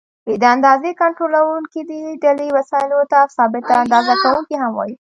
ب: د اندازې کنټرولوونکي: دې ډلې وسایلو ته ثابته اندازه کوونکي هم وایي.